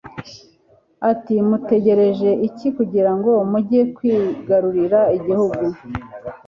ati mutegereje iki kugira ngo mujye kwigarurira igihugu